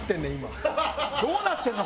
どうなってんの？